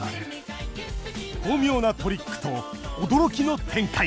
巧妙なトリックと驚きの展開。